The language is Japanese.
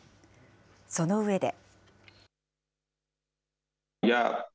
その上で。